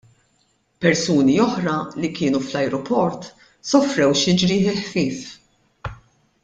Persuni oħra li kienu fl-ajruport sofrew xi ġrieħi ħfief.